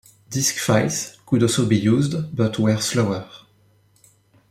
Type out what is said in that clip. Disk files could also be used but were slower.